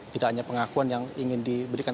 tidak hanya pengakuan yang ingin diberikan